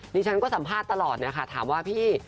ดิฉันก็สัมภาษณ์ตลอดนะคะถามว่าพี่